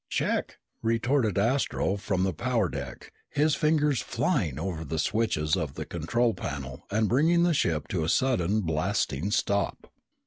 "Check!" retorted Astro from the power deck, his fingers flying over the switches of the control panel and bringing the ship to a sudden blasting stop.